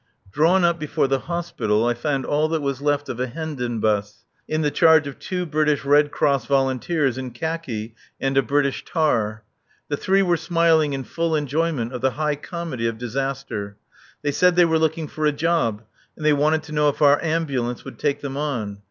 Drawn up before the Hospital I found all that was left of a Hendon bus, in the charge of two British Red Cross volunteers in khaki and a British tar. The three were smiling in full enjoyment of the high comedy of disaster. They said they were looking for a job, and they wanted to know if our Ambulance would take them on.